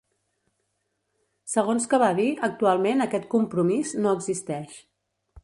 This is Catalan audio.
Segons que va dir, actualment aquest ‘compromís’ no existeix.